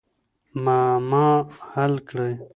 معما حل کړئ.